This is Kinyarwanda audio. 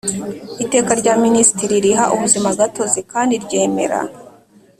Iteka rya minisitri riha ubuzimagatozi kandi ryemera